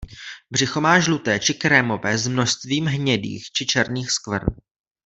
Břicho má žluté či krémové s množstvím hnědých či černých skvrn.